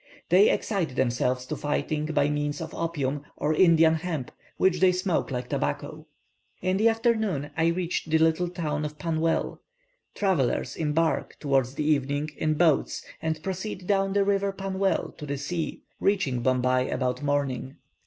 They excite themselves to fighting by means of opium, or Indian hemp, which they smoke like tobacco. In the afternoon, I reached the little town of Pannwell. Travellers embark, towards the evening, in boats, and proceed down the river Pannwell to the sea, reaching Bombay about morning.